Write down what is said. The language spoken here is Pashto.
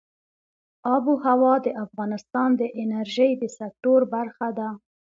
آب وهوا د افغانستان د انرژۍ د سکتور برخه ده.